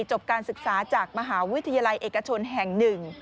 จบการศึกษาจากมหาวิทยาลัยเอกชนแห่งหนึ่ง